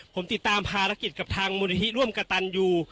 ผมติดตามภารกิจกับทางมนุษย์ร่วมกับตันยู